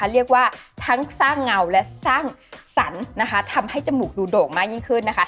เรียกว่าทั้งสร้างเงาและสร้างสรรค์นะคะทำให้จมูกดูโด่งมากยิ่งขึ้นนะคะ